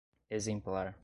exemplar